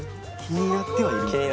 気になってはいる？